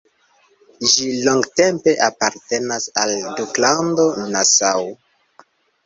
Ĝi longtempe apartenas al Duklando Nassau.